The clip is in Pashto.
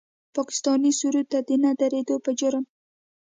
پاکستاني سرود ته د نه درېدو په جرم د